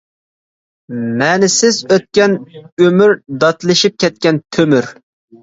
مەنىسىز ئۆتكەن ئۆمۈر داتلىشىپ كەتكەن تۆمۈر.